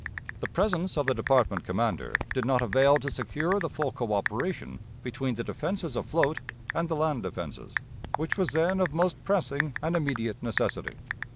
The presence of the department commander did not avail to secure the full coöperation between the defenses afloat and the land defenses, which was then of most pressing and immediate necessity.